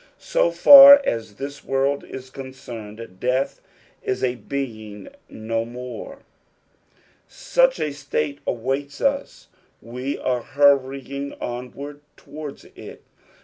So far as this world is concerned, death is a being no more ; auch a state awaits us, we are hurrying onward towards it.